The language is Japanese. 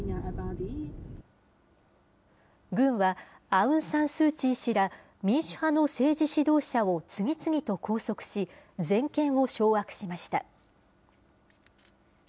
軍は、アウン・サン・スー・チー氏ら民主派の政治指導者を次々と拘束し、全権を掌握しました。